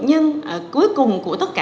nhưng cuối cùng của tất cả